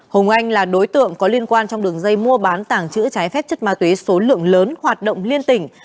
hùng anh là đối tượng có liên quan trong đường dây mua bán tàng trữ trái phép chất ma túy số lượng lớn hoạt động liên tỉnh